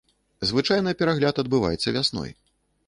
Звычайна перагляд адбываецца вясной.